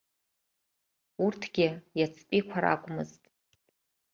Урҭгьы иацтәиқәа ракәмызт.